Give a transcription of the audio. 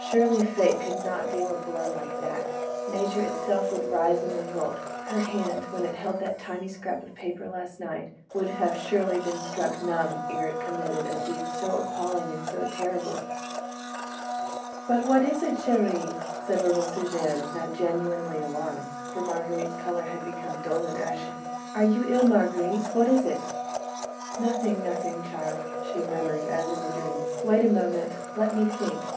Surely Fate could not deal a blow like that: Nature itself would rise in revolt: her hand, when it held that tiny scrap of paper last night, would surely have been struck numb ere it committed a deed so appalling and so terrible. "But what is it, chérie?" said little Suzanne, now genuinely alarmed, for Marguerite's colour had become dull and ashen. "Are you ill, Marguerite? What is it?" "Nothing, nothing, child," she murmured, as in a dream. "Wait a moment ... let me think